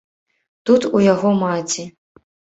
Тут у яго маці.